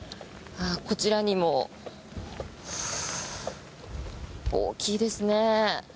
こちらにも、大きいですね。